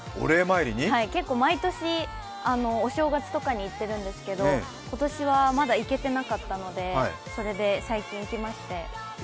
結構毎年、お正月とかに行ってるんですけど、今年はまだ行けてなかったので、それで最近行きまして。